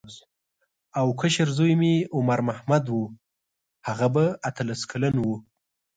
او کشر زوی مې عمر محمد و هغه به اتلس کلن و.